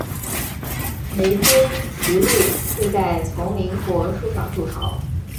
玫瑰琵鹭会在丛林或树上筑巢。